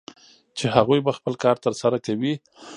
چې هغوی به خپل کار ترسره کوي